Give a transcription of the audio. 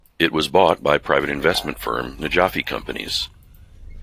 It was bought by private investment firm Najafi Companies.